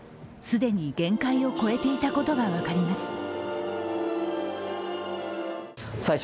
既に限界を超えていたことが分かります。